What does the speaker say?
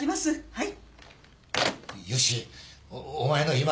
はい。